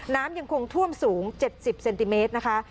น้ำยังคงท่วมสูง๗๐เซนติเมตรนะคะ